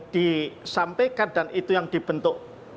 disampaikan dan itu yang dibentuk